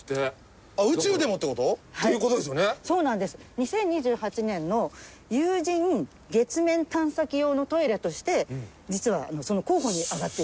２０２８年の有人月面探査機用のトイレとして実はその候補に挙がってる。